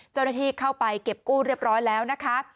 เจ้าหน้าที่เข้าไปเก็บกู้เรียบร้อยแล้วนะคะ